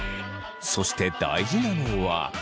そして大事なのは。